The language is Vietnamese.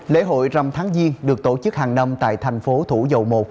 lễ hội rằm tháng giêng được tổ chức hàng năm tại thành phố thủ dầu một